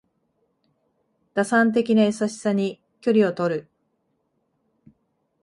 打算的な優しさに距離をとる